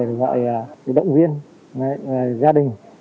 gọi điện gọi động viên gia đình